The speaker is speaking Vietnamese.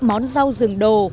món rau rừng đồ